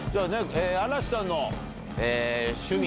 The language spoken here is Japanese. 嵐さんの趣味。